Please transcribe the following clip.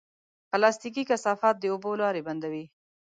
پلاستيکي کثافات د اوبو لارې بندوي.